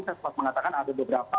saya sempat mengatakan ada beberapa